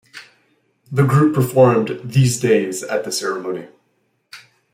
The group performed "These Days" at the ceremony.